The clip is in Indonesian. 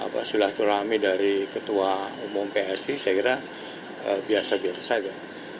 pak silastur rami dari ketua umum psi saya kira biasa biasa saja